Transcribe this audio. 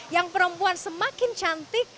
yang perempuan semakin cantik